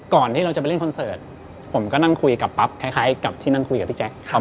ที่เราจะไปเล่นคอนเสิร์ตผมก็นั่งคุยกับปั๊บคล้ายกับที่นั่งคุยกับพี่แจ๊ค